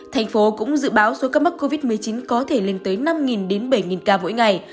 thành phố cũng dự báo số ca mắc covid một mươi chín có thể lên tới năm bảy ca mỗi ngày